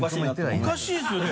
おかしいですよね？